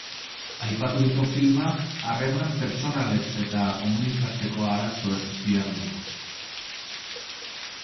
Aipaturiko filmak harreman pertsonalez eta komunikatzeko arazoez dihardu.